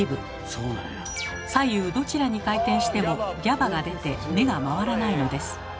左右どちらに回転してもＧＡＢＡが出て目が回らないのです。